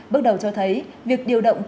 bước đầu cho thấy việc điều động